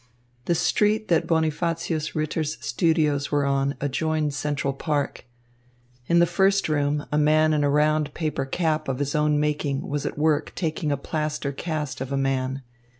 The street that Bonifacius Ritter's studios were on adjoined Central Park. In the first room, a man in a round paper cap of his own making was at work taking a plaster cast of a man.